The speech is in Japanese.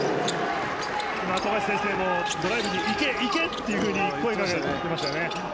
富樫先生もドライブに行け、行けと声をかけてましたね。